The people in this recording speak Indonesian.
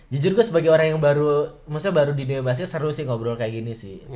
jujur gue sebagai orang yang baru maksudnya baru di new york basket seru sih ngobrol kayak gini sih